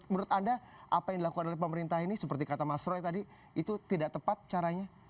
menurut anda apa yang dilakukan oleh pemerintah ini seperti kata mas roy tadi itu tidak tepat caranya